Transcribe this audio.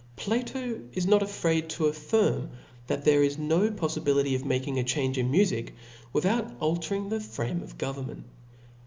Plato is not Chap^g. ^^^^^^^^ affirm, that there is no poffibility of making a change in mufic, without altering )lhe frame of government.